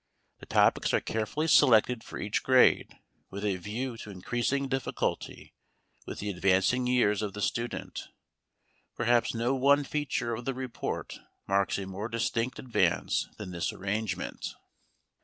The topics are carefully selected for each grade with a view to increasing difficulty with the advancing years of the student. Perhaps no one feature of the report marks a more distinct advance than this arrangement.